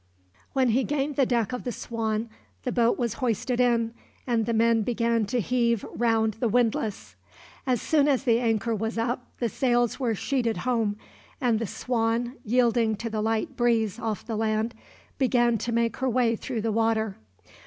When he gained the deck of the Swan, the boat was hoisted in, and the men began to heave round the windlass. As soon as the anchor was up, the sails were sheeted home; and the Swan, yielding to the light breeze off the land, began to make her way through the water.